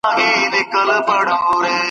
زه پرون درسونه لوستل کوم!